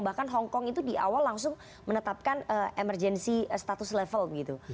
bahkan hongkong itu di awal langsung menetapkan emergency status level gitu